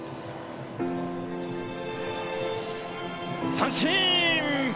三振！